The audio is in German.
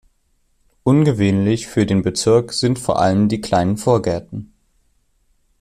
Ungewöhnlich für den Bezirk sind vor allem die kleinen Vorgärten.